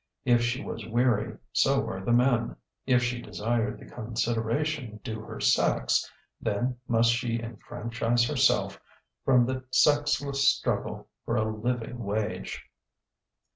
If she was weary, so were the men; if she desired the consideration due her sex, then must she enfranchise herself from the sexless struggle for a living wage....